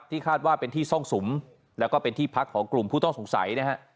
คาดว่าเป็นที่ซ่องสุมแล้วก็เป็นที่พักของกลุ่มผู้ต้องสงสัยนะฮะ